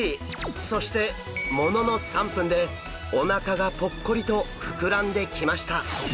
そしてものの３分でおなかがぽっこりと膨らんできました！